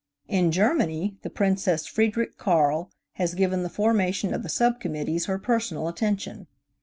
In Germany, the Princess Friedrich Karl has given the formation of the sub committees her personal attention.